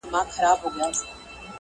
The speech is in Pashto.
درې څلور شپې یې